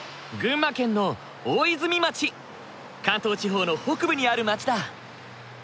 関東地方の北部にある町だ。